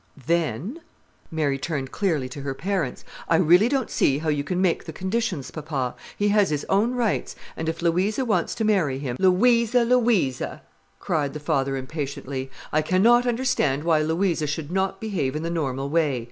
"Then"—Mary turned clearly to her parents, "I really don't see how you can make the conditions, papa. He has his own rights, and if Louisa wants to marry him——" "Louisa, Louisa!" cried the father impatiently. "I cannot understand why Louisa should not behave in the normal way.